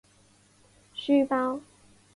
书包